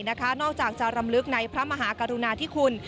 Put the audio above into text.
นอกจากจะรำลึกในพระมหากรุณาธิคุณ